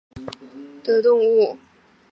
暹罗盾蛭为舌蛭科盾蛭属的动物。